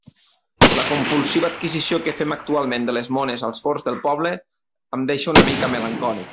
La compulsiva adquisició que fem actualment de les mones als forns del poble em deixa una mica melancòlic.